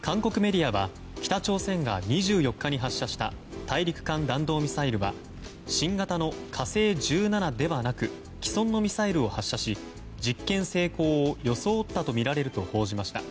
韓国メディアは北朝鮮が２４日に発射した大陸間弾道ミサイルは新型の「火星１７」ではなく既存のミサイルを発射し実験成功を装ったとみられると報じました。